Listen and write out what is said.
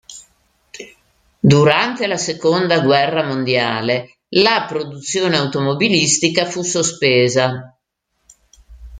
Durante la seconda guerra mondiale, la produzione automobilistica fu sospesa.